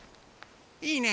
いいね